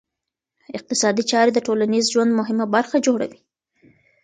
اقتصادي چاري د ټولنیز ژوند مهمه برخه جوړوي.